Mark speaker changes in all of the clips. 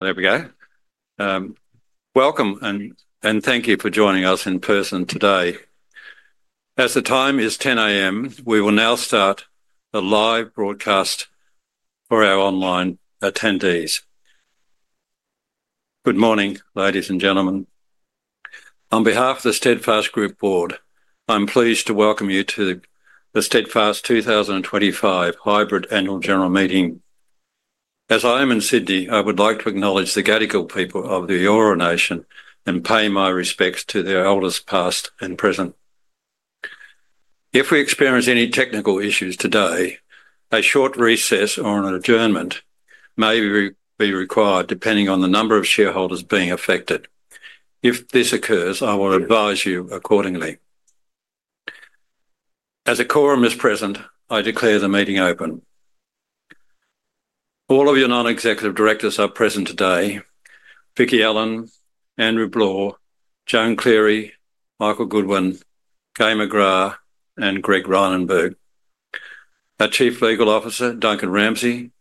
Speaker 1: There we go. Welcome, and thank you for joining us in person today. As the time is 10:00 A.M., we will now start the live broadcast. For our online attendees, good morning, ladies and gentlemen. On behalf of the Steadfast Group Board, I'm pleased to welcome you to the Steadfast 2025 Hybrid Annual General Meeting. As I am in Sydney, I would like to acknowledge the Gadigal people of the Eora Nation and pay my respects to their elders past and present. If we experience any technical issues today, a short recess or an adjournment may be required depending on the number of shareholders being affected. If this occurs, I will advise you accordingly. As a quorum is present, I declare the meeting open. All of your non-executive directors are present today: Vicki Allen, Andrew Bloore, Joan Cleary, Michael Goodwin, Gai McGrath, and Greg Rynenberg. Our Chief Legal Officer, Duncan Ramsay,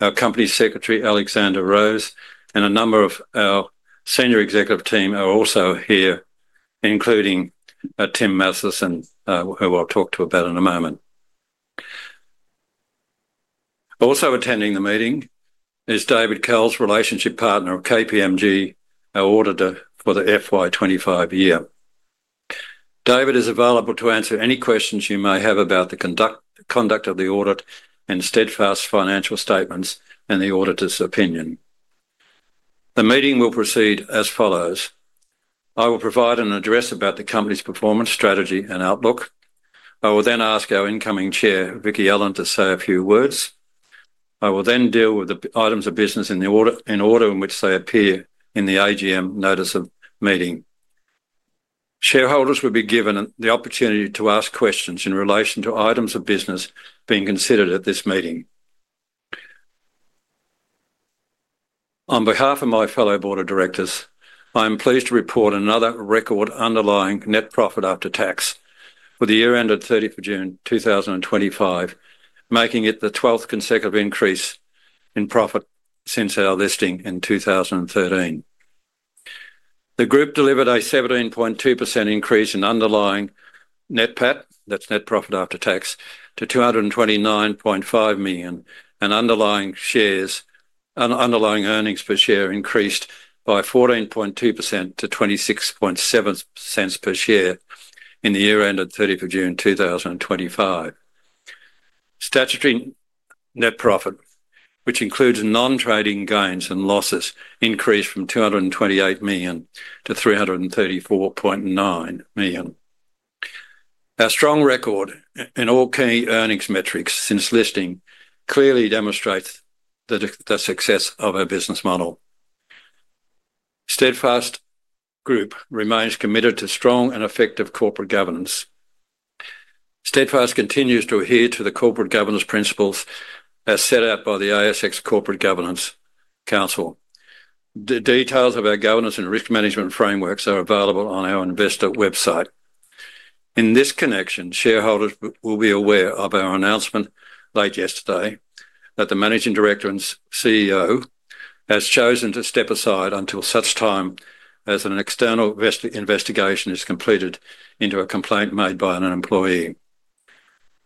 Speaker 1: our Company Secretary, Alexandra Rose, and a number of our Senior Executive Team are also here, including Tim Mathieson, who I'll talk to about in a moment. Also attending the meeting is David Kells, Relationship Partner of KPMG, our auditor for the FY 2025 year. David is available to answer any questions you may have about the conduct of the audit and Steadfast's financial statements and the auditor's opinion. The meeting will proceed as follows. I will provide an address about the company's performance, strategy, and outlook. I will then ask our incoming Chair, Vicki Allen, to say a few words. I will then deal with the items of business in the order in which they appear in the AGM notice of meeting. Shareholders will be given the opportunity to ask questions in relation to items of business being considered at this meeting. On behalf of my fellow board of directors, I am pleased to report another record underlying net profit after tax for the year ended 30th of June 2025, making it the 12th consecutive increase in profit since our listing in 2013. The Group delivered a 17.2% increase in underlying net profit after tax to 229.5 million, and underlying earnings per share increased by 14.2% to 0.267 per share in the year ended 30th of June 2025. Statutory net profit, which includes non-trading gains and losses, increased from 228 million to 334.9 million. Our strong record in all key earnings metrics since listing clearly demonstrates the success of our business model. Steadfast Group remains committed to strong and effective corporate governance. Steadfast continues to adhere to the corporate governance principles as set out by the ASX Corporate Governance Council. The details of our governance and risk management frameworks are available on our investor website. In this connection, shareholders will be aware of our announcement late yesterday that the Managing Director and CEO has chosen to step aside until such time as an external investigation is completed into a complaint made by an employee.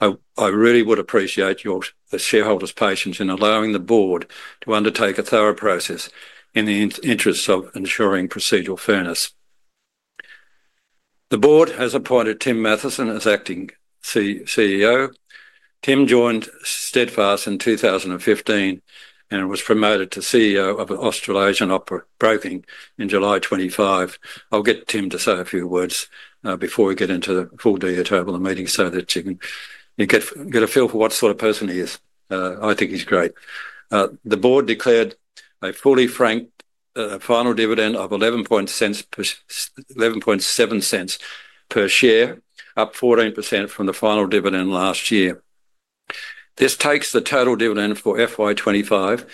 Speaker 1: I really would appreciate your shareholders' patience in allowing the Board to undertake a thorough process in the interests of ensuring procedural fairness. The Board has appointed Tim Mathieson as Acting CEO. Tim joined Steadfast in 2015 and was promoted to CEO of Australasian Opera Broking in July 2025. I'll get Tim to say a few words before we get into the full detail of the meeting so that you can get a feel for what sort of person he is. I think he's great. The Board declared a fully franked final dividend of 0.117 per share, up 14% from the final dividend last year. This takes the total dividend for FY 2025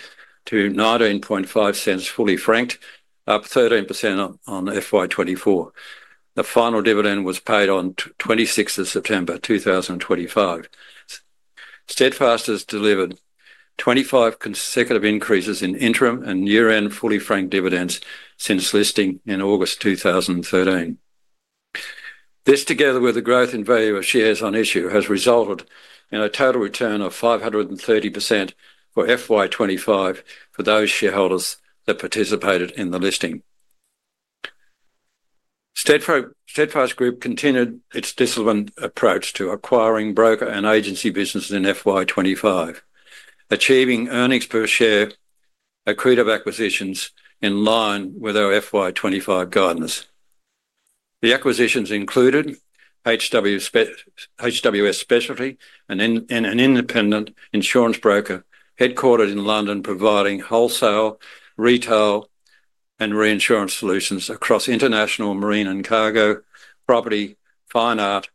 Speaker 1: to 0.195 fully franked, up 13% on FY2024. The final dividend was paid on 26th of September 2025. Steadfast has delivered 25 consecutive increases in interim and year-end fully franked dividends since listing in August 2013. This, together with the growth in value of shares on issue, has resulted in a total return of 530% for FY 2025 for those shareholders that participated in the listing. Steadfast Group continued its disciplined approach to acquiring broker and agency businesses in FY 2025, achieving earnings per share accretive acquisitions in line with our FY 2025 guidance. The acquisitions included HWS Specialty, an independent insurance broker headquartered in London, providing wholesale, retail, and reinsurance solutions across international marine and cargo, property, fine art,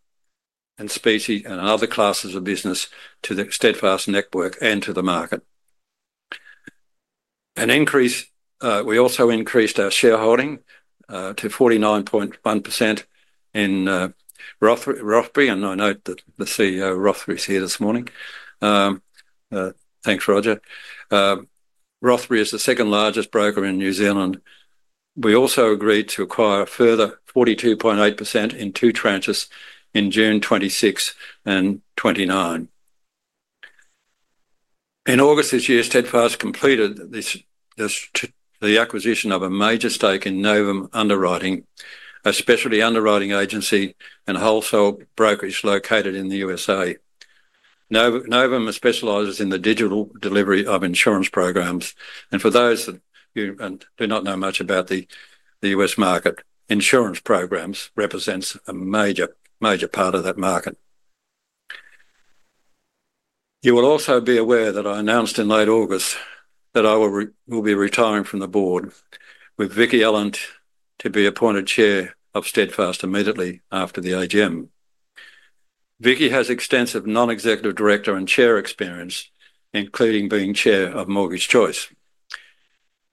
Speaker 1: and other classes of business to the Steadfast network and to the market. We also increased our shareholding to 49.1% in Rothbury, and I note that the CEO, Rothbury, is here this morning. Thanks, Roger. Rothbury is the second largest broker in New Zealand. We also agreed to acquire a further 42.8% in two tranches in June 2026 and 2029. In August this year, Steadfast completed the acquisition of a major stake in Novum Underwriting, a specialty underwriting agency and wholesale brokerage located in the USA. Novum specializes in the digital delivery of insurance programs, and for those that do not know much about the U.S. market, insurance programs represent a major part of that market. You will also be aware that I announced in late August that I will be retiring from the Board with Vicki Allen to be appointed Chair of Steadfast immediately after the AGM. Vicki has extensive non-executive director and Chair experience, including being Chair of Mortgage Choice.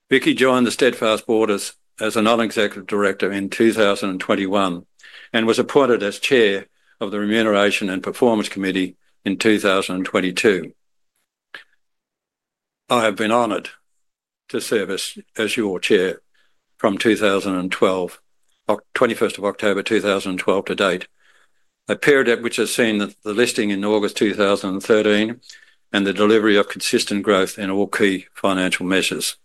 Speaker 1: Vicki joined the Steadfast Board as a non-executive director in 2021 and was appointed as Chair of the Remuneration and Performance Committee in 2022. I have been honored to serve as your Chair from 21st of October 2012 to date, a period which has seen the listing in August 2013 and the delivery of consistent growth in all key financial measures.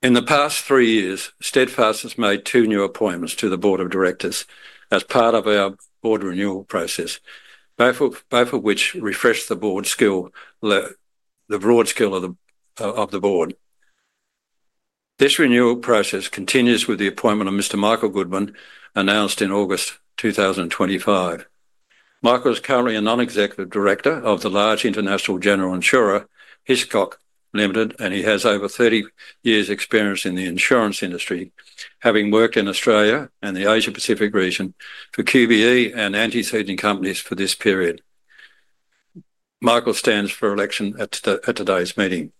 Speaker 1: In the past three years, Steadfast has made two new appointments to the Board of Directors as part of our board renewal process, both of which refresh the broad skill of the Board. This renewal process continues with the appointment of Mr. Michael Goodman, announced in August 2025. Michael is currently a non-executive director of the large international general insurer, Hiscox Limited, and he has over 30 years' experience in the insurance industry, having worked in Australia and the Asia-Pacific region for QBE and anti-seeding companies for this period. Michael stands for election at today's meeting.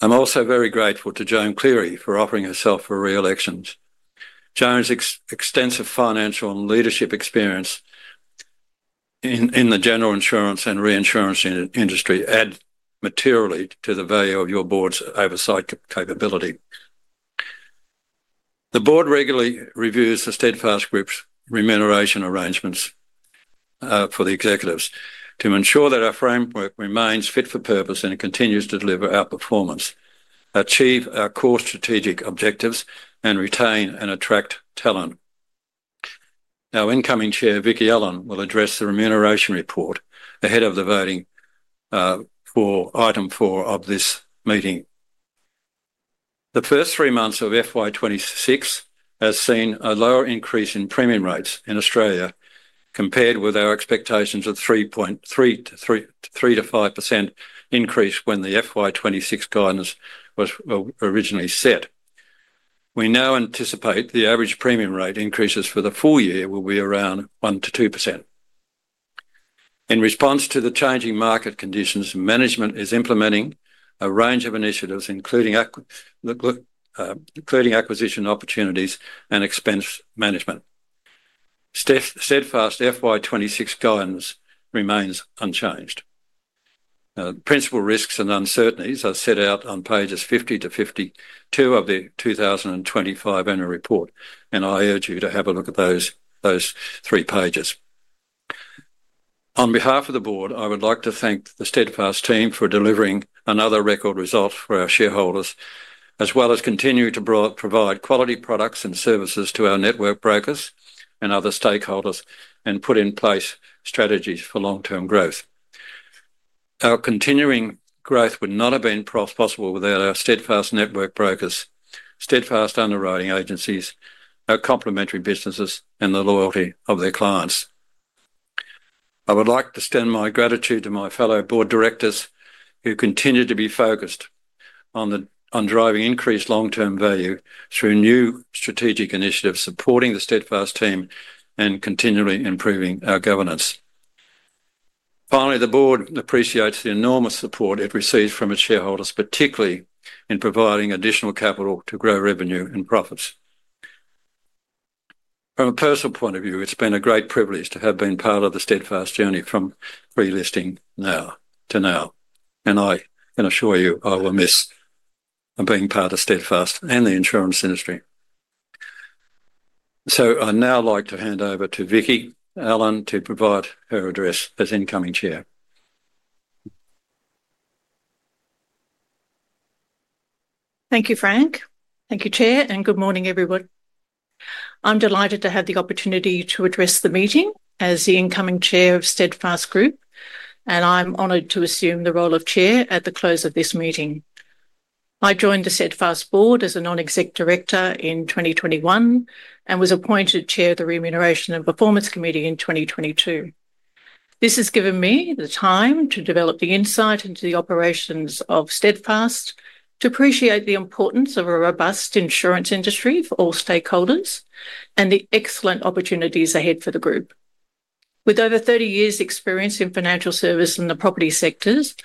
Speaker 1: I'm also very grateful to Joan Cleary for offering herself for re-election. Joan's extensive financial and leadership experience in the general insurance and reinsurance industry adds materially to the value of your Board's oversight capability. The Board regularly reviews the Steadfast Group's remuneration arrangements for the executives to ensure that our framework remains fit for purpose and continues to deliver our performance, achieve our core strategic objectives, and retain and attract talent. Our incoming Chair, Vicki Allen, will address the remuneration report ahead of the voting for item four of this meeting. The first three months of FY 2026 has seen a lower increase in premium rates in Australia compared with our expectations of 3%-5% increase when the FY 2026 guidance was originally set. We now anticipate the average premium rate increases for the full year will be around 1%-2%. In response to the changing market conditions, management is implementing a range of initiatives, including. Acquisition opportunities and expense management. Steadfast FY 2026 guidance remains unchanged. Principal risks and uncertainties are set out on pages 50 to 52 of the 2025 annual report, and I urge you to have a look at those. Three pages. On behalf of the Board, I would like to thank the Steadfast team for delivering another record result for our shareholders, as well as continuing to provide quality products and services to our network brokers and other stakeholders and put in place strategies for long-term growth. Our continuing growth would not have been possible without our Steadfast network brokers, Steadfast underwriting agencies, our complementary businesses, and the loyalty of their clients. I would like to extend my gratitude to my fellow Board Directors who continue to be focused on driving increased long-term value through new strategic initiatives supporting the Steadfast team and continually improving our governance. Finally, the Board appreciates the enormous support it receives from its shareholders, particularly in providing additional capital to grow revenue and profits. From a personal point of view, it's been a great privilege to have been part of the Steadfast journey from pre-listing to now, and I can assure you I will miss being part of Steadfast and the insurance industry. I would now like to hand over to Vicki Allen to provide her address as incoming Chair.
Speaker 2: Thank you, Frank. Thank you, Chair, and good morning, everyone. I'm delighted to have the opportunity to address the meeting as the incoming Chair of Steadfast Group, and I'm honored to assume the role of Chair at the close of this meeting. I joined the Steadfast Board as a non-executive director in 2021 and was appointed Chair of the Remuneration and Performance Committee in 2022. This has given me the time to develop the insight into the operations of Steadfast, to appreciate the importance of a robust insurance industry for all stakeholders, and the excellent opportunities ahead for the Group. With over 30 years' experience in financial service and the property sectors,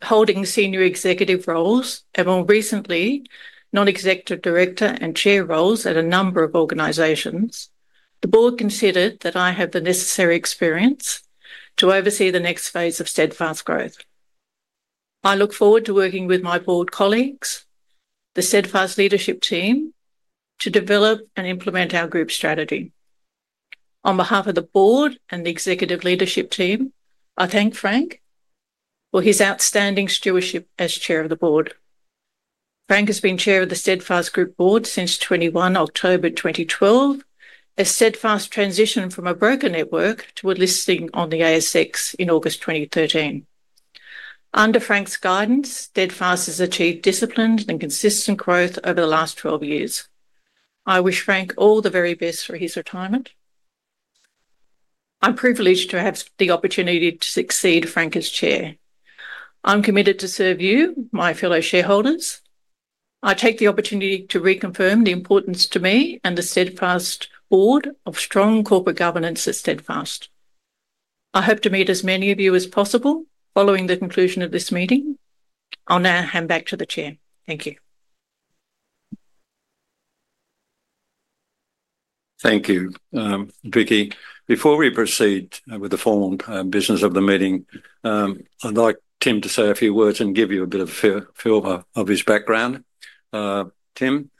Speaker 2: holding senior executive roles, and more recently non-executive director and chair roles at a number of organizations, the Board considered that I have the necessary experience to oversee the next phase of Steadfast growth. I look forward to working with my Board colleagues, the Steadfast leadership team, to develop and implement our Group strategy. On behalf of the Board and the executive leadership team, I thank Frank for his outstanding stewardship as Chair of the Board. Frank has been Chair of the Steadfast Group Board since 21 October 2012, as Steadfast transitioned from a broker network toward listing on the ASX in August 2013. Under Frank's guidance, Steadfast has achieved disciplined and consistent growth over the last 12 years. I wish Frank all the very best for his retirement. I'm privileged to have the opportunity to succeed Frank as Chair. I'm committed to serve you, my fellow shareholders. I take the opportunity to reconfirm the importance to me and the Steadfast Board of strong corporate governance at Steadfast. I hope to meet as many of you as possible following the conclusion of this meeting. I'll now hand back to the Chair. Thank you.
Speaker 1: Thank you, Vicki. Before we proceed with the formal business of the meeting, I'd like Tim to say a few words and give you a bit of a feel of his background. Tim.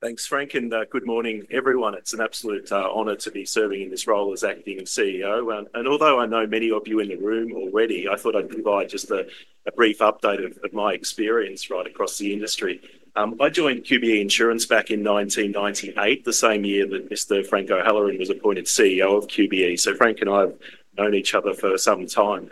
Speaker 3: Thanks, Frank, and good morning, everyone. It's an absolute honor to be serving in this role as Acting CEO. Although I know many of you in the room already, I thought I'd provide just a brief update of my experience right across the industry. I joined QBE Insurance back in 1998, the same year that Mr. Frank O'Halloran was appointed CEO of QBE. Frank and I have known each other for some time.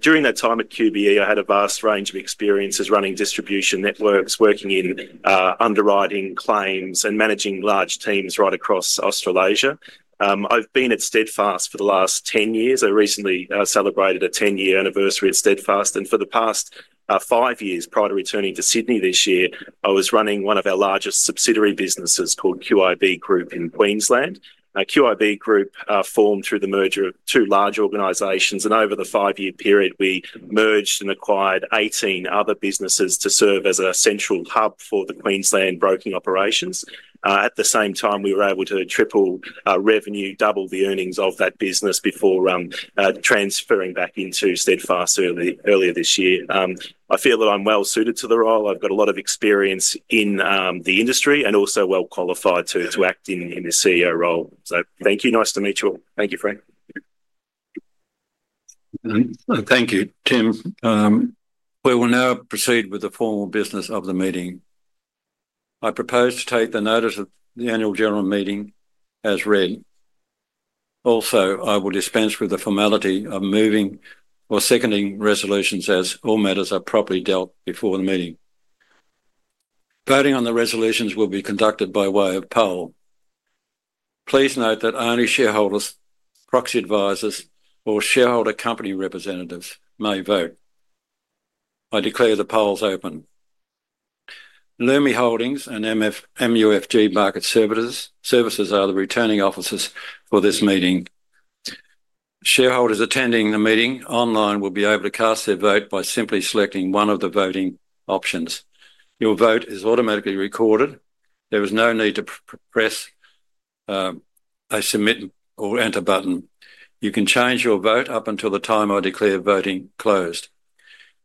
Speaker 3: During that time at QBE, I had a vast range of experiences running distribution networks, working in underwriting claims, and managing large teams right across Australasia. I've been at Steadfast for the last 10 years. I recently celebrated a 10-year anniversary at Steadfast, and for the past five years prior to returning to Sydney this year, I was running one of our largest subsidiary businesses called QIB Group in Queensland. QIB Group formed through the merger of two large organizations, and over the five-year period, we merged and acquired 18 other businesses to serve as a central hub for the Queensland broking operations. At the same time, we were able to triple revenue, double the earnings of that business before transferring back into Steadfast earlier this year. I feel that I'm well suited to the role. I've got a lot of experience in the industry and also well qualified to act in the CEO role. Thank you. Nice to meet you all. Thank you, Frank.
Speaker 1: Thank you, Tim. We will now proceed with the formal business of the meeting. I propose to take the notice of the annual general meeting as read. Also, I will dispense with the formality of moving or seconding resolutions as all matters are properly dealt before the meeting. Voting on the resolutions will be conducted by way of poll. Please note that only shareholders, proxy advisors, or shareholder company representatives may vote. I declare the polls open. Lumi Holdings and MUFG Market Services are the returning officers for this meeting. Shareholders attending the meeting online will be able to cast their vote by simply selecting one of the voting options. Your vote is automatically recorded. There is no need to press a submit or enter button. You can change your vote up until the time I declare voting closed.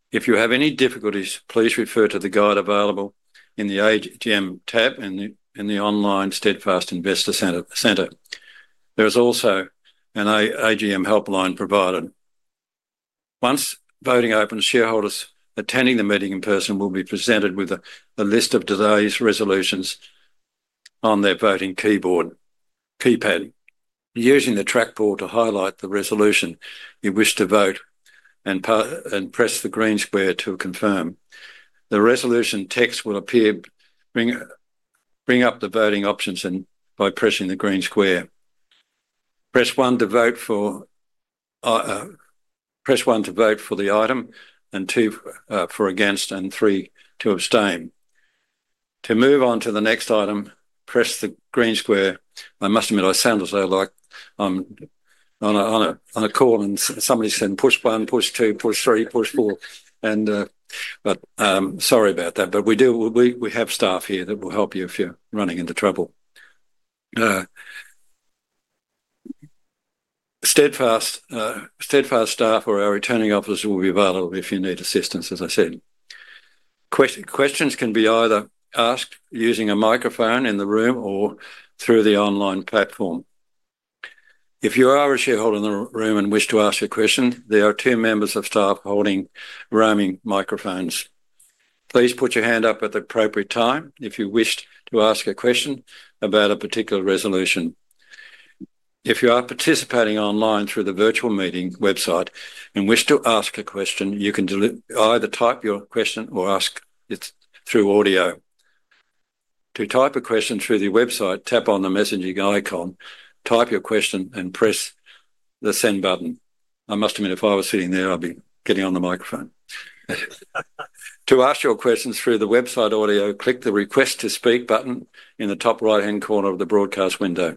Speaker 1: If you have any difficulties, please refer to the guide available in the AGM tab in the online Steadfast Investor Center. There is also an AGM helpline provided. Once voting opens, shareholders attending the meeting in person will be presented with a list of today's resolutions on their voting keyboard keypad. Using the trackball to highlight the resolution you wish to vote and press the green square to confirm. The resolution text will appear. Bring up the voting options by pressing the green square. Press one to vote for the item, and two for against, and three to abstain. To move on to the next item, press the green square. I must admit, I sound as though I'm on a call and somebody's saying, "Push one, push two, push three, push four." Sorry about that. We have staff here that will help you if you're running into trouble. Steadfast staff or our returning officers will be available if you need assistance, as I said. Questions can be either asked using a microphone in the room or through the online platform. If you are a shareholder in the room and wish to ask a question, there are two members of staff holding roaming microphones. Please put your hand up at the appropriate time if you wish to ask a question about a particular resolution. If you are participating online through the virtual meeting website and wish to ask a question, you can either type your question or ask it through audio. To type a question through the website, tap on the messaging icon, type your question, and press the send button. I must admit, if I was sitting there, I'd be getting on the microphone. To ask your questions through the website audio, click the request to speak button in the top right-hand corner of the broadcast window.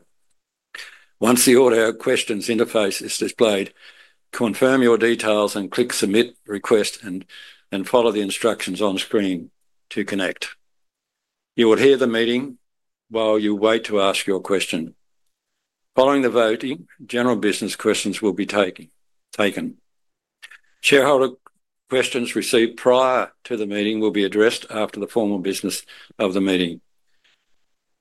Speaker 1: Once the audio questions interface is displayed, confirm your details and click submit request and follow the instructions on screen to connect. You will hear the meeting while you wait to ask your question. Following the voting, general business questions will be taken. Shareholder questions received prior to the meeting will be addressed after the formal business of the meeting.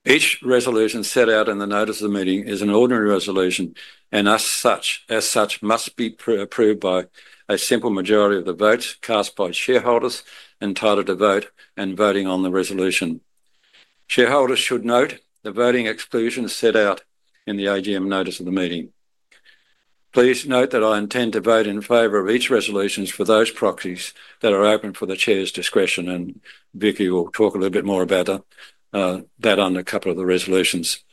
Speaker 1: Each resolution set out in the notice of the meeting is an ordinary resolution, and as such, must be approved by a simple majority of the votes cast by shareholders entitled to vote and voting on the resolution. Shareholders should note the voting exclusion set out in the AGM notice of the meeting. Please note that I intend to vote in favor of each resolution for those proxies that are open for the Chair's discretion, and Vicki will talk a little bit more about that under a couple of the resolutions.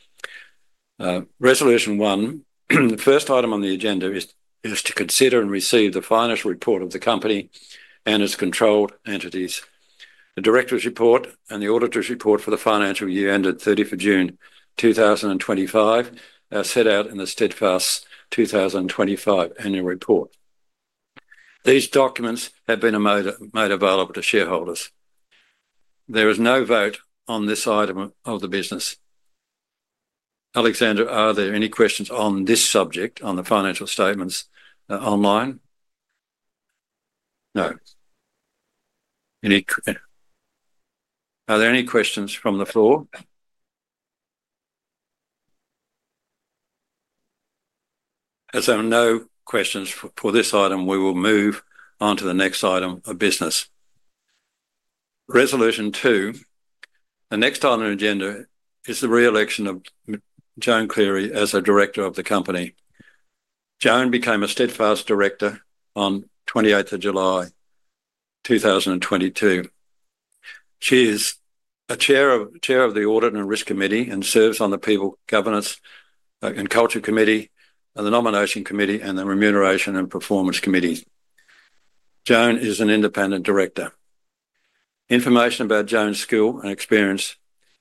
Speaker 1: Resolution one, the first item on the agenda is to consider and receive the finance report of the company and its controlled entities. The director's report and the auditor's report for the financial year ended 30th of June 2025 are set out in the Steadfast 2025 annual report. These documents have been made available to shareholders. There is no vote on this item of the business. Alexandra, are there any questions on this subject on the financial statements online? No. Are there any questions from the floor? As there are no questions for this item, we will move on to the next item of business. Resolution 2. The next item on the agenda is the re-election of Joan Cleary as a director of the company. Joan became a Steadfast director on 28th of July 2022. She is a Chair of the Audit and Risk Committee and serves on the People, Governance and Culture Committee, the Nomination Committee, and the Remuneration and Performance Committee. Joan is an independent director. Information about Joan's skill and experience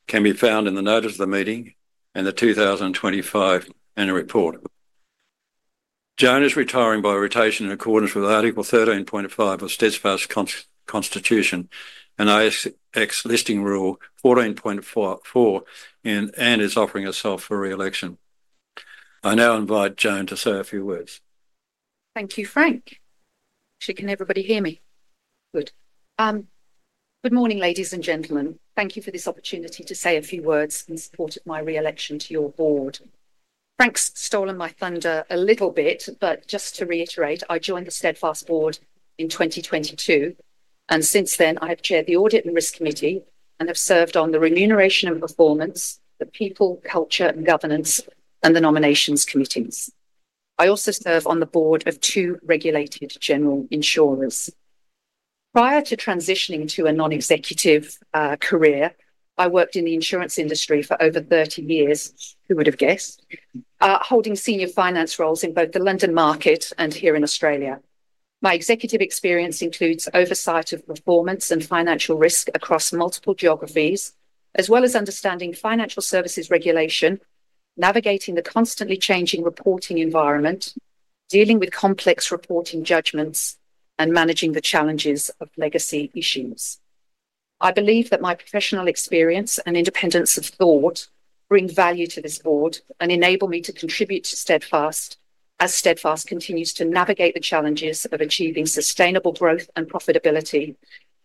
Speaker 1: can be found in the notice of the meeting and the 2025 annual report. Joan is retiring by rotation in accordance with Article 13.5 of Steadfast's Constitution and ASX Listing Rule 14.4 and is offering herself for re-election. I now invite Joan to say a few words.
Speaker 4: Thank you, Frank. Actually, can everybody hear me? Good. Good morning, ladies and gentlemen. Thank you for this opportunity to say a few words in support of my re-election to your board. Frank's stolen my thunder a little bit, but just to reiterate, I joined the Steadfast Board in 2022, and since then, I have chaired the Audit and Risk Committee and have served on the Remuneration and Performance, the People, Culture, and Governance, and the Nominations Committees. I also serve on the board of two regulated general insurers. Prior to transitioning to a non-executive career, I worked in the insurance industry for over 30 years. Who would have guessed? Holding senior finance roles in both the London market and here in Australia. My executive experience includes oversight of performance and financial risk across multiple geographies, as well as understanding financial services regulation, navigating the constantly changing reporting environment, dealing with complex reporting judgments, and managing the challenges of legacy issues. I believe that my professional experience and independence of thought bring value to this board and enable me to contribute to Steadfast as Steadfast continues to navigate the challenges of achieving sustainable growth and profitability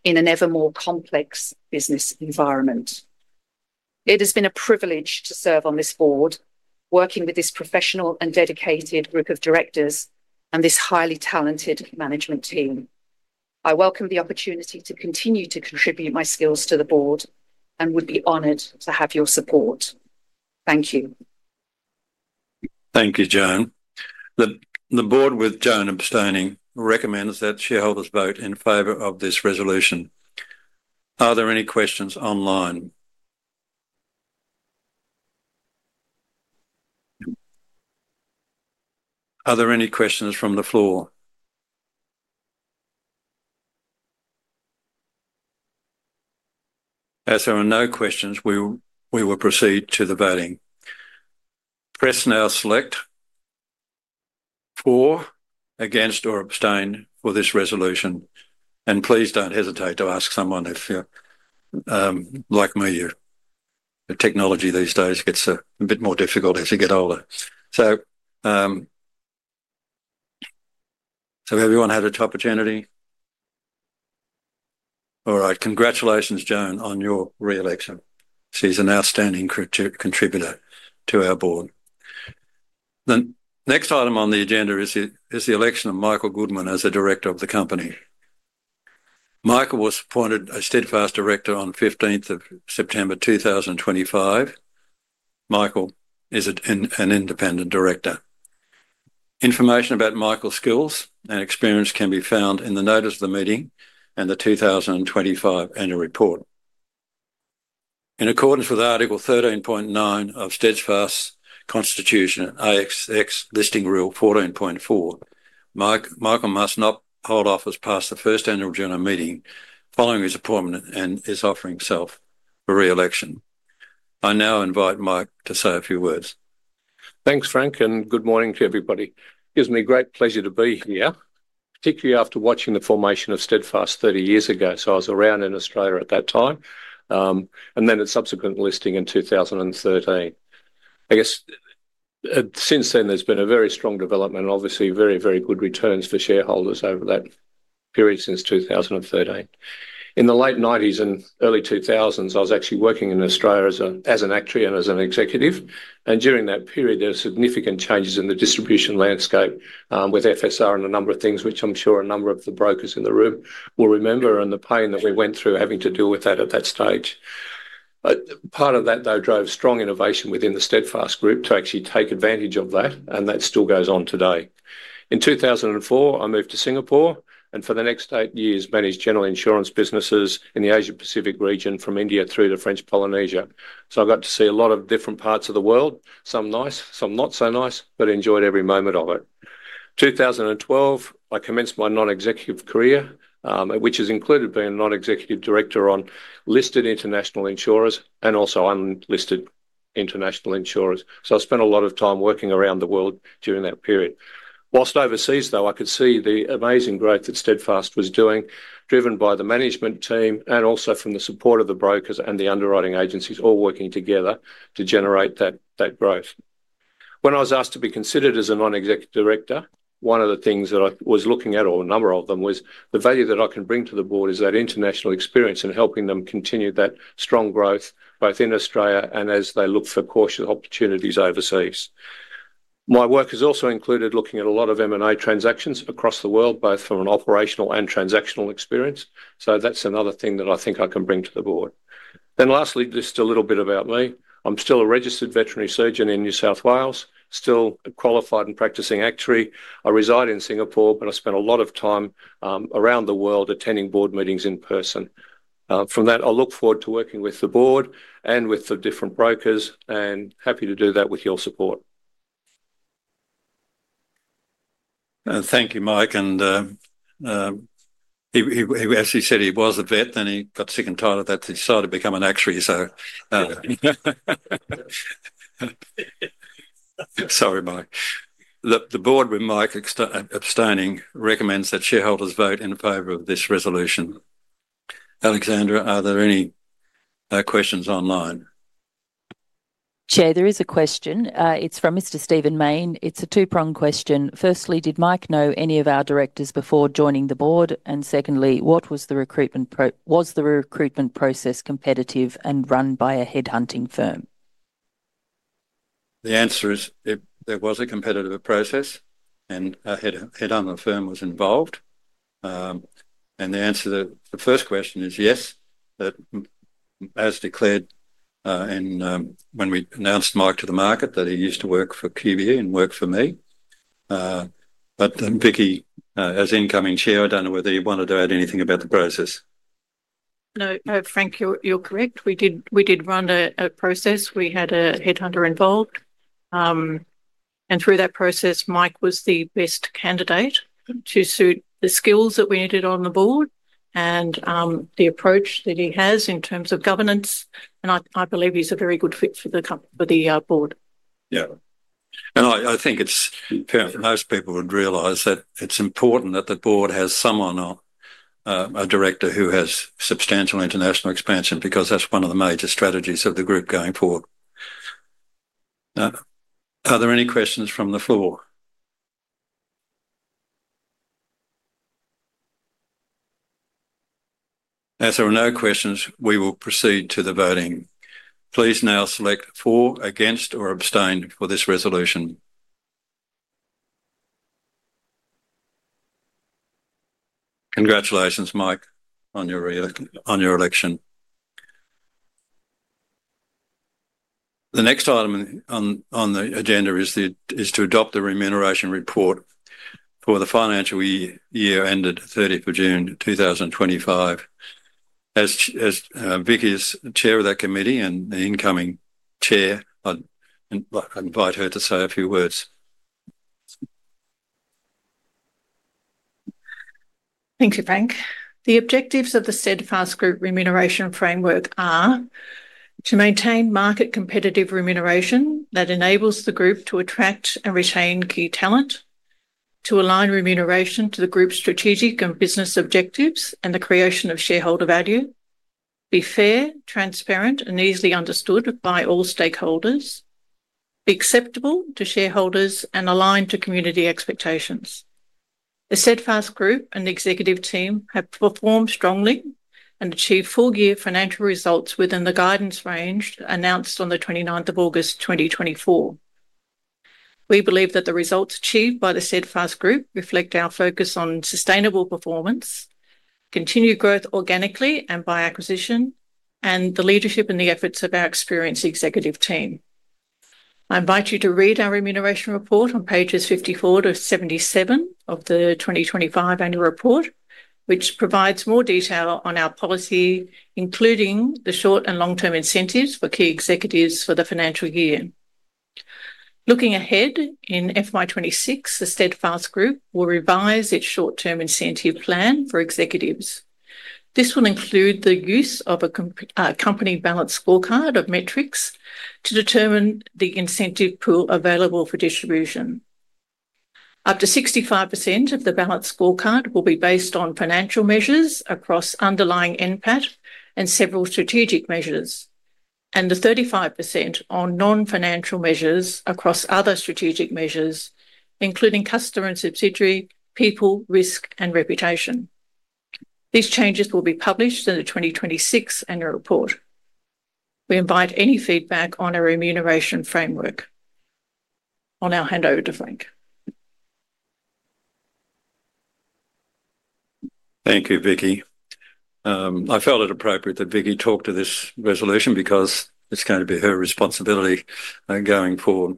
Speaker 4: in an ever more complex business environment. It has been a privilege to serve on this board, working with this professional and dedicated group of directors and this highly talented management team. I welcome the opportunity to continue to contribute my skills to the board and would be honored to have your support. Thank you.
Speaker 5: Thank you, Joan. The board, with Joan abstaining, recommends that shareholders vote in favor of this resolution. Are there any questions online? Are there any questions from the floor? As there are no questions, we will proceed to the voting. Press now select for, against, or abstain for this resolution. Please don't hesitate to ask someone if you're like me. Technology these days gets a bit more difficult as you get older. Everyone had a chopper journey? All right. Congratulations, Joan, on your re-election. She's an outstanding contributor to our board. The next item on the agenda is the election of Michael Goodman as a director of the company. Michael was appointed a Steadfast director on 15th of September 2025. Michael is an independent director. Information about Michael's skills and experience can be found in the notice of the meeting and the 2025 annual report. In accordance with Article 13.9 of Steadfast's Constitution and ASX Listing Rule 14.4. Michael must not hold office past the first annual general meeting following his appointment and is offering himself for re-election. I now invite Mike to say a few words. Thanks, Frank, and good morning to everybody. It gives me great pleasure to be here, particularly after watching the formation of Steadfast Group 30 years ago. I was around in Australia at that time and then at the subsequent listing in 2013. Since then, there's been a very strong development and obviously very, very good returns for shareholders over that period since 2013. In the late 1990s and early 2000s, I was actually working in Australia as an actuary and as an executive. During that period, there were significant changes in the distribution landscape with FSR and a number of things, which I'm sure a number of the brokers in the room will remember and the pain that we went through having to deal with that at that stage. Part of that drove strong innovation within the Steadfast Group to actually take advantage of that, and that still goes on today. In 2004, I moved to Singapore and for the next eight years managed general insurance businesses in the Asia-Pacific region from India through to French Polynesia. I got to see a lot of different parts of the world, some nice, some not so nice, but enjoyed every moment of it. In 2012, I commenced my non-executive career, which has included being a non-executive director on listed international insurers and also unlisted international insurers. I spent a lot of time working around the world during that period. Whilst overseas, I could see the amazing growth that Steadfast Group was doing, driven by the management team and also from the support of the brokers and the underwriting agencies all working together to generate that growth. When I was asked to be considered as a non-executive director, one of the things that I was looking at, or a number of them, was the value that I can bring to the board is that international experience and helping them continue that strong growth both in Australia and as they look for cautious opportunities overseas. My work has also included looking at a lot of M&A transactions across the world, both from an operational and transactional experience. That's another thing that I think I can bring to the board. Lastly, just a little bit about me. I'm still a registered veterinary surgeon in New South Wales, still a qualified and practicing actuary. I reside in Singapore, but I spent a lot of time around the world attending board meetings in person. From that, I look forward to working with the board and with the different brokers and happy to do that with your support.
Speaker 1: Thank you, Mike. As he said, he was a vet, then he got sick and tired of that, so he decided to become an actuary. Sorry, Mike. The board, with Mike abstaining, recommends that shareholders vote in favor of this resolution. Alexandra, are there any questions online?
Speaker 6: Chair, there is a question. It's from Mr. Stephen Maine. It's a two-pronged question. Firstly, did Mike know any of our directors before joining the board? Secondly, was the recruitment process competitive and run by a headhunting firm?
Speaker 1: The answer is there was a competitive process, and a headhunter firm was involved. The answer to the first question is yes. As declared when we announced Mike to the market, he used to work for QBE and work for me. Vicki, as incoming Chair, I don't know whether you wanted to add anything about the process.
Speaker 2: No, Frank, you're correct. We did run a process. We had a headhunter involved, and through that process, Mike was the best candidate to suit the skills that we needed on the board and the approach that he has in terms of governance. I believe he's a very good fit for the board.
Speaker 1: I think most people would realize that it's important that the board has someone, a director who has substantial international expansion because that's one of the major strategies of the group going forward. Are there any questions from the floor? As there are no questions, we will proceed to the voting. Please now select for, against, or abstain for this resolution. Congratulations, Mike, on your election. The next item on the agenda is to adopt the remuneration report for the financial year ended 30th of June 2025. As Vicki is Chair of that committee and the incoming Chair, I invite her to say a few words.
Speaker 2: Thank you, Frank. The objectives of the Steadfast Group remuneration framework are to maintain market competitive remuneration that enables the group to attract and retain key talent, to align remuneration to the group's strategic and business objectives and the creation of shareholder value, be fair, transparent, and easily understood by all stakeholders, be acceptable to shareholders, and align to community expectations. The Steadfast Group and executive team have performed strongly and achieved full-year financial results within the guidance range announced on 29th of August 2024. We believe that the results achieved by the Steadfast Group reflect our focus on sustainable performance, continued growth organically and by acquisition, and the leadership and the efforts of our experienced executive team. I invite you to read our remuneration report on pages 54 to 77 of the 2025 annual report, which provides more detail on our policy, including the short and long-term incentives for key executives for the financial year. Looking ahead in FY 2026, the Steadfast Group will revise its short-term incentive plan for executives. This will include the use of a company balanced scorecard of metrics to determine the incentive pool available for distribution. Up to 65% of the balanced scorecard will be based on financial measures across underlying net profit after tax and several strategic measures, and 35% on non-financial measures across other strategic measures, including customer and subsidiary, people, risk, and reputation. These changes will be published in the 2026 annual report. We invite any feedback on our remuneration framework. I'll now hand over to Frank.
Speaker 1: Thank you, Vicki. I felt it appropriate that Vicki talked to this resolution because it's going to be her responsibility going forward.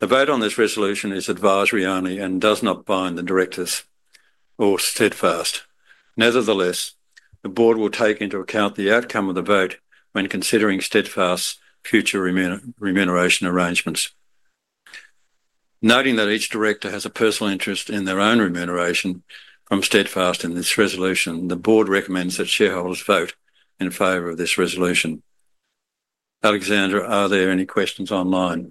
Speaker 1: The vote on this resolution is advisory only and does not bind the directors or Steadfast. Nevertheless, the board will take into account the outcome of the vote when considering Steadfast's future remuneration arrangements. Noting that each director has a personal interest in their own remuneration from Steadfast in this resolution, the board recommends that shareholders vote in favor of this resolution. Alexandra, are there any questions online?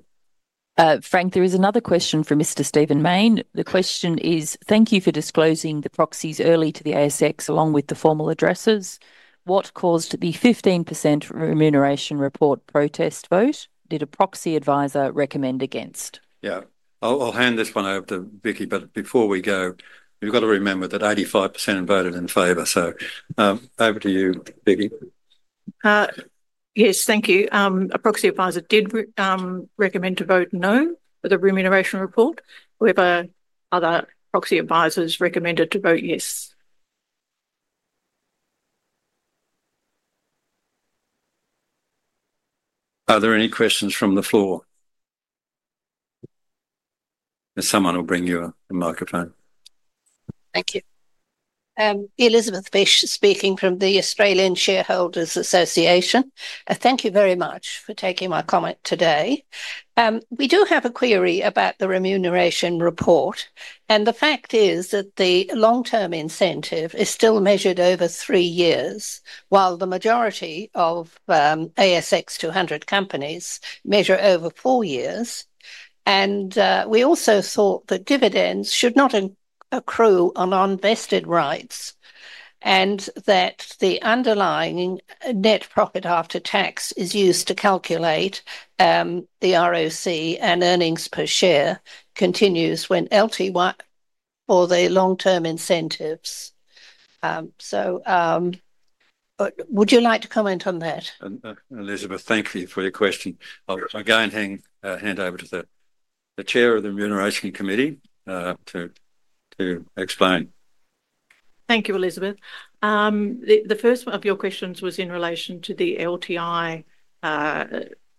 Speaker 6: Frank, there is another question for Mr. Stephen Maine. The question is, thank you for disclosing the proxies early to the ASX along with the formal addresses. What caused the 15% remuneration report protest vote? Did a proxy advisor recommend against?
Speaker 1: I'll hand this one over to Vicki, but before we go, you've got to remember that 85% voted in favor. Over to you, Vicki.
Speaker 2: Yes, thank you. A proxy advisor did recommend to vote no for the remuneration report, whereas other proxy advisors recommended to vote yes.
Speaker 1: Are there any questions from the floor? Someone will bring you a microphone.
Speaker 7: Thank you. Elizabeth Bish speaking from the Australian Shareholders Association. Thank you very much for taking my comment today. We do have a query about the remuneration report. The fact is that the long-term incentive is still measured over three years, while the majority of ASX 200 companies measure over four years. We also thought that dividends should not accrue on unvested rights and that the underlying net profit after tax is used to calculate the ROC and earnings per share continues when LTI, or the long-term incentives. Would you like to comment on that?
Speaker 1: Elizabeth, thank you for your question. I'll hand over to the Chair of the Remuneration Committee to explain.
Speaker 2: Thank you, Elizabeth. The first one of your questions was in relation to the LTI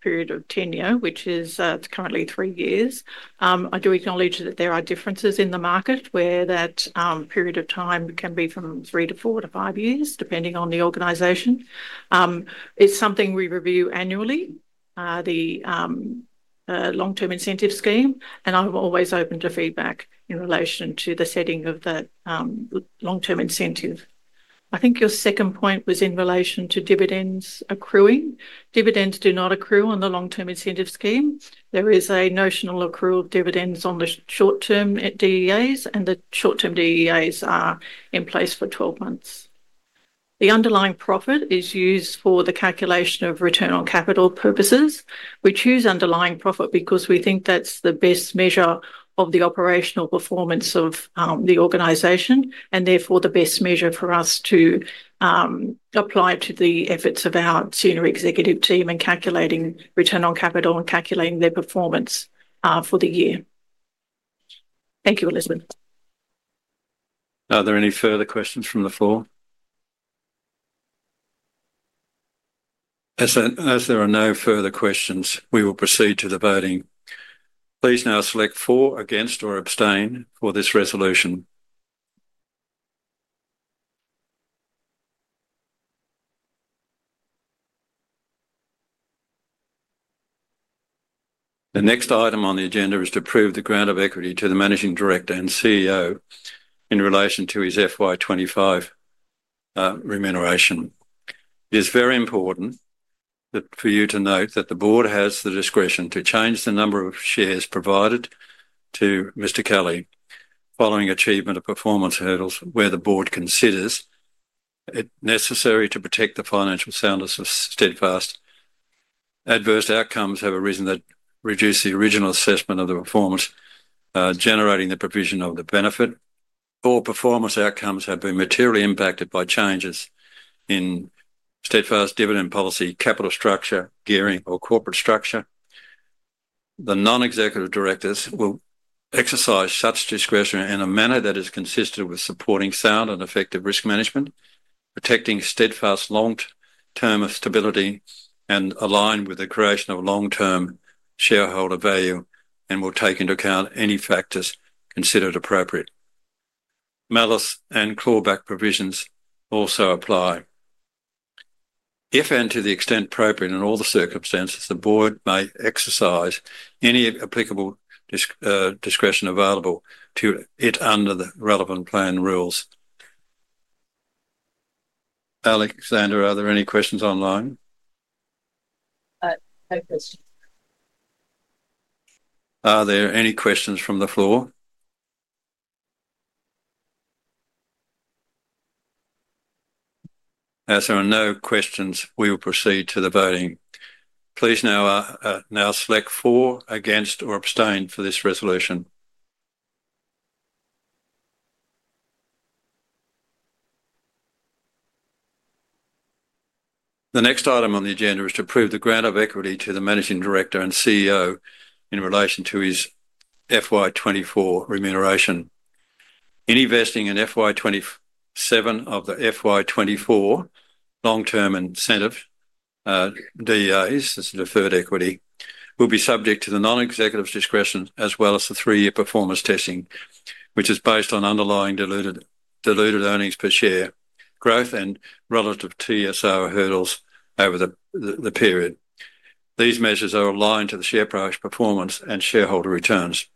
Speaker 2: period of tenure, which is currently three years. I do acknowledge that there are differences in the market where that period of time can be from three to four to five years, depending on the organization. It's something we review annually, the long-term incentive scheme, and I'm always open to feedback in relation to the setting of the long-term incentive. I think your second point was in relation to dividends accruing. Dividends do not accrue on the long-term incentive scheme. There is a notional accrual of dividends on the short-term DEAs, and the short-term DEAs are in place for 12 months. The underlying profit is used for the calculation of return on capital purposes. We choose underlying profit because we think that's the best measure of the operational performance of the organization and therefore the best measure for us to apply to the efforts of our senior executive team in calculating return on capital and calculating their performance for the year. Thank you, Elizabeth.
Speaker 1: Are there any further questions from the floor? As there are no further questions, we will proceed to the voting. Please now select for, against, or abstain for this resolution. The next item on the agenda is to approve the grant of equity to the Managing Director and CEO in relation to his FY 2025 remuneration. It is very important for you to note that the board has the discretion to change the number of shares provided to Mr. Kelly following achievement of performance hurdles where the board considers it necessary to protect the financial soundness of Steadfast. Adverse outcomes have arisen that reduce the original assessment of the performance generating the provision of the benefit. Or performance outcomes have been materially impacted by changes in Steadfast dividend policy, capital structure, gearing, or corporate structure. The non-executive directors will exercise such discretion in a manner that is consistent with supporting sound and effective risk management, protecting Steadfast's long-term stability, and aligned with the creation of long-term shareholder value, and will take into account any factors considered appropriate. Malus and clawback provisions also apply. If and to the extent appropriate in all the circumstances, the board may exercise any applicable discretion available to it under the relevant plan rules. Alexandra, are there any questions online?
Speaker 6: No questions.
Speaker 1: Are there any questions from the floor? As there are no questions, we will proceed to the voting. Please now select for, against, or abstain for this resolution. The next item on the agenda is to approve the grant of equity to the Managing Director and CEO in relation to his FY 2024 remuneration. Any vesting in FY 2027 of the FY 2024 long-term incentive DEAs, this is deferred equity, will be subject to the non-executive's discretion as well as the three-year performance testing, which is based on underlying diluted earnings per share growth and relative TSR hurdles over the period. These measures are aligned to the share price performance and shareholder returns.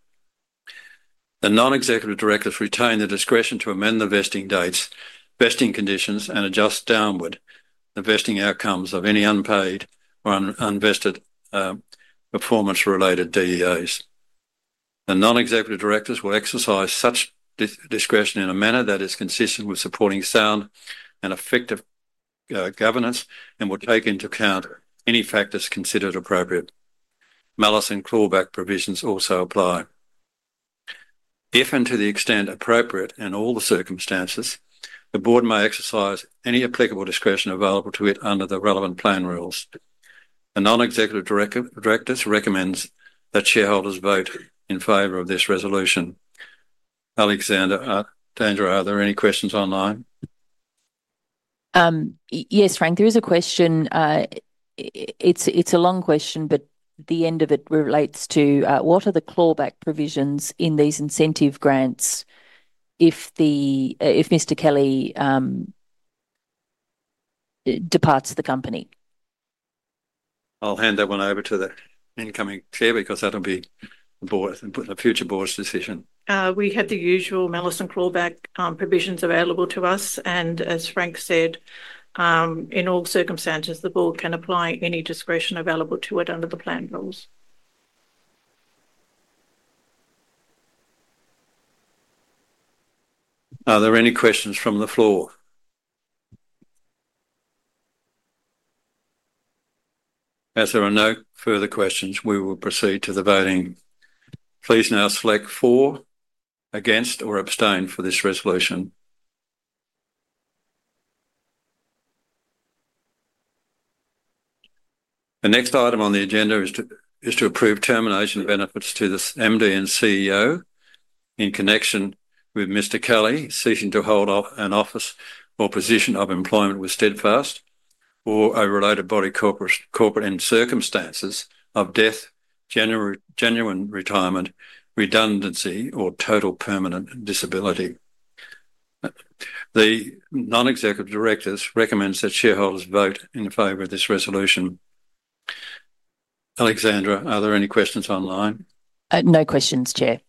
Speaker 1: The non-executive directors retain the discretion to amend the vesting dates, vesting conditions, and adjust downward the vesting outcomes of any unpaid or unvested performance-related DEAs. The non-executive directors will exercise such discretion in a manner that is consistent with supporting sound and effective governance and will take into account any factors considered appropriate. Malice and clawback provisions also apply. If and to the extent appropriate in all the circumstances, the board may exercise any applicable discretion available to it under the relevant plan rules. The non-executive directors recommend that shareholders vote in favor of this resolution. Alexandra, are there any questions online?
Speaker 6: Yes, Frank, there is a question. It's a long question, but the end of it relates to what are the clawback provisions in these incentive grants if Mr. Kelly departs the company?
Speaker 1: I'll hand that one over to the incoming chair because that'll be the future board's decision.
Speaker 2: We had the usual malice and clawback provisions available to us. And as Frank said. In all circumstances, the board can apply any discretion available to it under the plan rules.
Speaker 1: Are there any questions from the floor? As there are no further questions, we will proceed to the voting. Please now select for, against, or abstain for this resolution. The next item on the agenda is to approve termination benefits to the MD and CEO. In connection with Mr. Kelly ceasing to hold an office or position of employment with Steadfast or a related body corporate in circumstances of death, genuine retirement, redundancy, or total permanent disability. The non-executive directors recommend that shareholders vote in favor of this resolution. Alexandra, are there any questions online?
Speaker 6: No questions, Chair.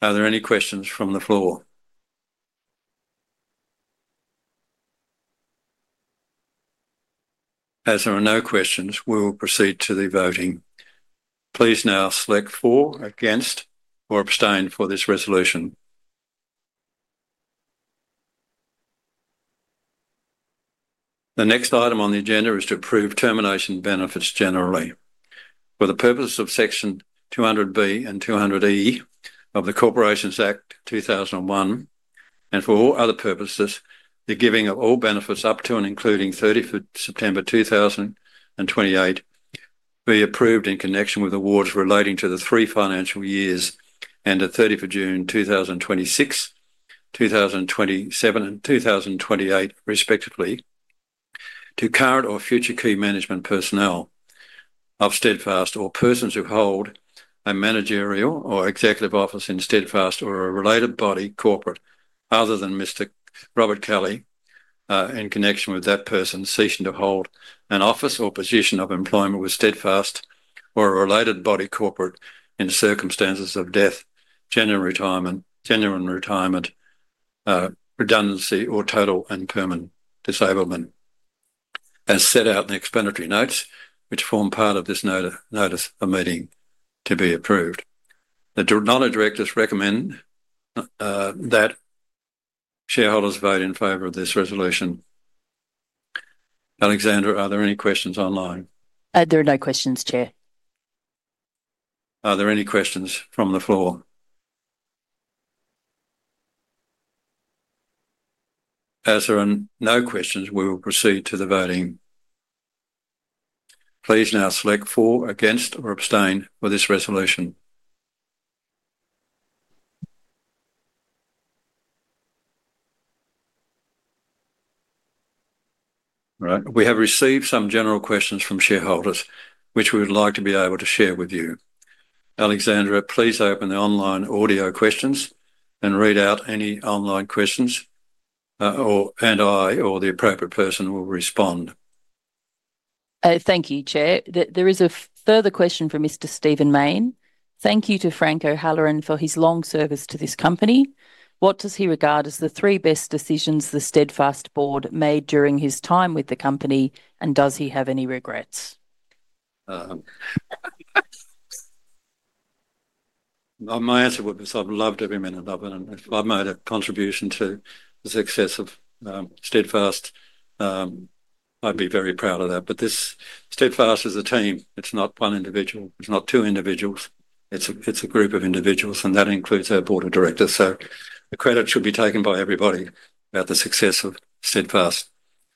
Speaker 1: Are there any questions from the floor? As there are no questions, we will proceed to the voting. Please now select for, against, or abstain for this resolution. The next item on the agenda is to approve termination benefits generally. For the purposes of Section 200B and 200E of the Corporations Act 2001 and for all other purposes, the giving of all benefits up to and including 30 September 2028 be approved in connection with awards relating to the three financial years ended 30th of June 2026, 2027, and 2028, respectively, to current or future key management personnel of Steadfast or persons who hold a managerial or executive office in Steadfast or a related body corporate other than Mr. Robert Kelly, in connection with that person ceasing to hold an office or position of employment with Steadfast or a related body corporate in circumstances of death, genuine retirement, redundancy, or total and permanent disablement, as set out in the explanatory notes which form part of this notice of meeting to be approved. The non-executive directors recommend that shareholders vote in favor of this resolution. Alexandra, are there any questions online?
Speaker 6: There are no questions, Chair.
Speaker 1: Are there any questions from the floor? As there are no questions, we will proceed to the voting. Please now select for, against, or abstain for this resolution. All right. We have received some general questions from shareholders, which we would like to be able to share with you. Alexandra, please open the online audio questions and read out any online questions. I or the appropriate person will respond.
Speaker 6: Thank you, Chair. There is a further question from Mr. Stephen Maine. Thank you to Frank O'Halloran for his long service to this company. What does he regard as the three best decisions the Steadfast board made during his time with the company, and does he have any regrets?
Speaker 1: My answer would be because I've loved every minute of it. If I've made a contribution to the success of Steadfast, I'd be very proud of that. Steadfast is a team. It's not one individual. It's not two individuals. It's a group of individuals, and that includes our board of directors. The credit should be taken by everybody about the success of Steadfast.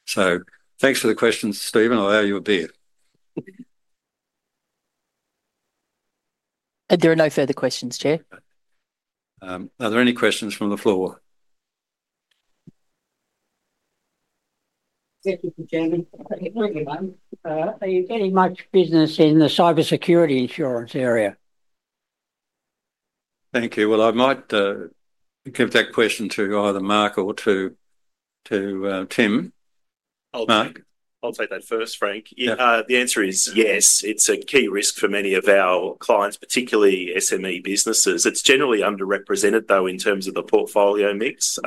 Speaker 1: Thanks for the questions, Stephen. I owe you a beer.
Speaker 6: There are no further questions, Chair.
Speaker 1: Are there any questions from the floor?
Speaker 8: Are you getting much business in the cybersecurity insurance area?
Speaker 1: Thank you. I might give that question to either Mark or to Tim.
Speaker 3: I'll take that first, Frank. The answer is yes. It's a key risk for many of our clients, particularly SME businesses. It's generally underrepresented, though, in terms of the portfolio mix.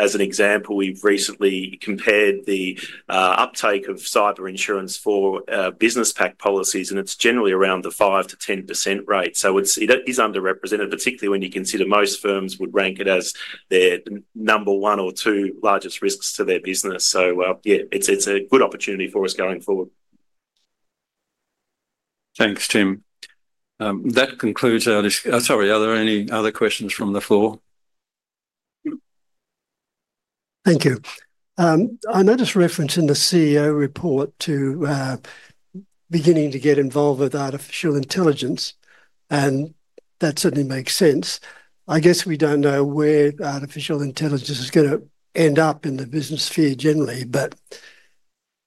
Speaker 3: As an example, we've recently compared the uptake of cyber insurance for business pack policies, and it's generally around the 5%-10% rate. It is underrepresented, particularly when you consider most firms would rank it as their number one or two largest risks to their business. It's a good opportunity for us going forward.
Speaker 1: Thanks, Tim. That concludes our discussion. Sorry, are there any other questions from the floor?
Speaker 9: Thank you. I noticed reference in the CEO report to beginning to get involved with artificial intelligence, and that certainly makes sense. I guess we don't know where artificial intelligence is going to end up in the business sphere generally, but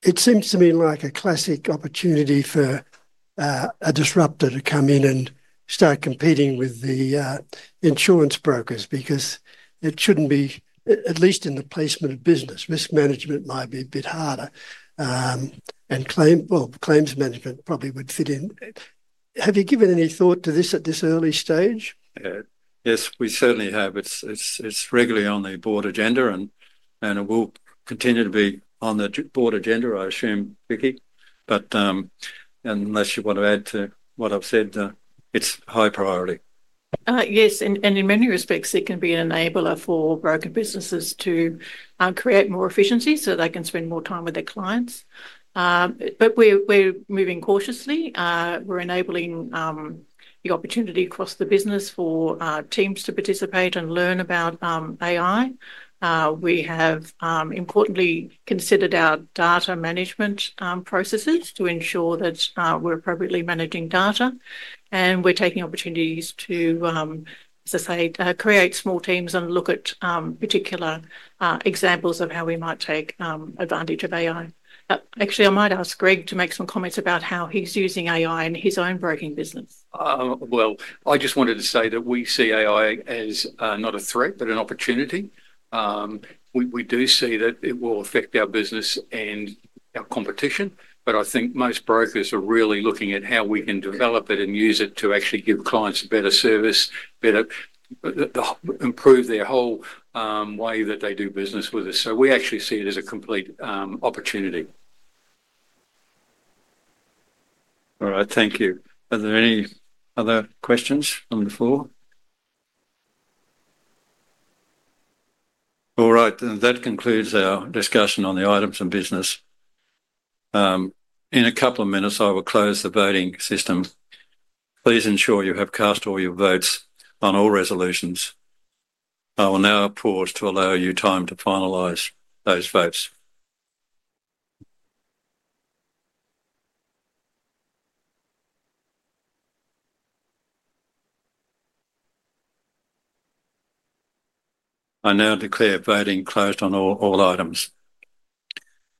Speaker 9: it seems to me like a classic opportunity for a disruptor to come in and start competing with the insurance brokers because it shouldn't be, at least in the placement of business. Risk management might be a bit harder, and claims management probably would fit in. Have you given any thought to this at this early stage?
Speaker 1: Yes, we certainly have. It's regularly on the board agenda, and it will continue to be on the board agenda, I assume, Vicki. Unless you want to add to what I've said, it's high priority.
Speaker 2: Yes, and in many respects, it can be an enabler for broker businesses to create more efficiency so they can spend more time with their clients. We're moving cautiously. We're enabling the opportunity across the business for teams to participate and learn about AI. We have importantly, considered our data management processes to ensure that we're appropriately managing data, and we're taking opportunities to create small teams and look at particular examples of how we might take advantage of AI. Actually, I might ask Greg to make some comments about how he's using AI in his own broking business.
Speaker 10: I just wanted to say that we see AI as not a threat, but an opportunity. We do see that it will affect our business and our competition, but I think most brokers are really looking at how we can develop it and use it to actually give clients better service, better improve their whole way that they do business with us. We actually see it as a complete opportunity. Thank you.
Speaker 1: Are there any other questions from the floor? That concludes our discussion on the items and business. In a couple of minutes, I will close the voting system. Please ensure you have cast all your votes on all resolutions. I will now pause to allow you time to finalize those votes. I now declare voting closed on all items.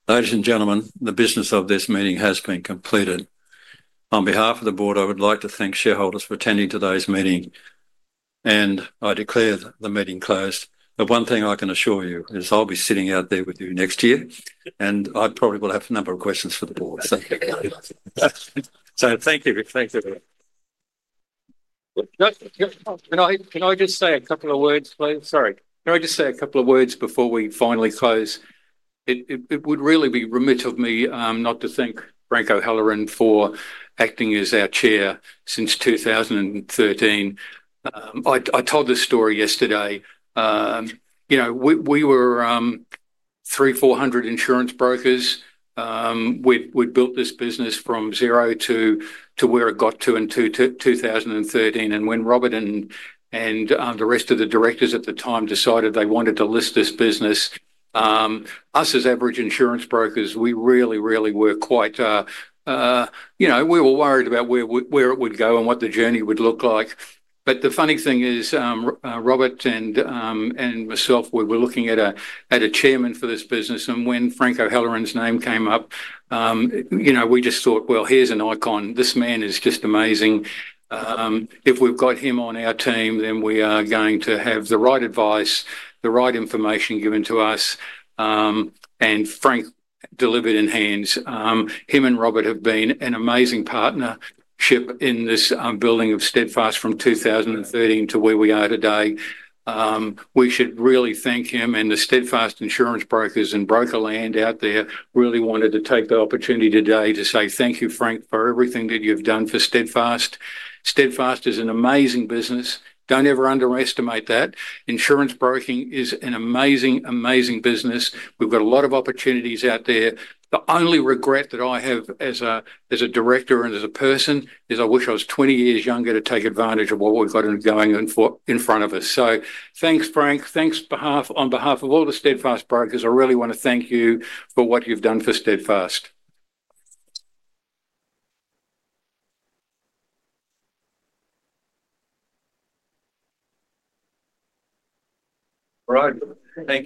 Speaker 1: Ladies and gentlemen, the business of this meeting has been completed. On behalf of the board, I would like to thank shareholders for attending today's meeting. I declare the meeting closed. One thing I can assure you is I'll be sitting out there with you next year, and I probably will have a number of questions for the board. Thank you. Thank you.
Speaker 10: Can I just say a couple of words, please? Sorry. Can I just say a couple of words before we finally close? It would really be remiss of me not to thank Frank O'Halloran for acting as our Chair since 2013. I told this story yesterday. We were three, four hundred insurance brokers. We'd built this business from zero to where it got to in 2013. When Robert and the rest of the directors at the time decided they wanted to list this business, us as average insurance brokers, we really, really were quite worried about where it would go and what the journey would look like. The funny thing is, Robert and myself, we were looking at a Chairman for this business. When Frank O'Halloran's name came up, we just thought, here's an icon. This man is just amazing. If we've got him on our team, then we are going to have the right advice, the right information given to us. Frank delivered in hands. Him and Robert have been an amazing partnership in this building of Steadfast Group from 2013 to where we are today. We should really thank him, and the Steadfast insurance brokers and broker land out there really wanted to take the opportunity today to say thank you, Frank, for everything that you've done for Steadfast. Steadfast is an amazing business. Don't ever underestimate that. Insurance broking is an amazing, amazing business. We've got a lot of opportunities out there. The only regret that I have as a director and as a person is I wish I was 20 years younger to take advantage of what we've got going in front of us. Thanks, Frank. Thanks on behalf of all the Steadfast brokers. I really want to thank you for what you've done for Steadfast.
Speaker 1: All right. Thank you.